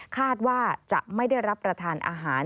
คาดว่าจะไม่ได้รับประทานอาหาร